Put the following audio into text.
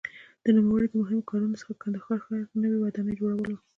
د نوموړي د مهمو کارونو څخه د کندهار ښار نوې ودانۍ جوړول وو.